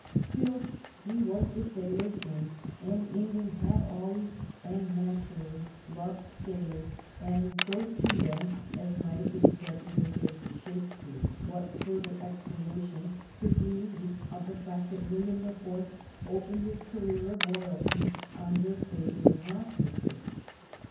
Still he was the Sailor King, and England had always, and naturally, loved sailors; and "go to then," as might have been said in the days of Shakespeare, what further explanation could be needed of the fact that William the Fourth opened his career of royalty under favoring auspices?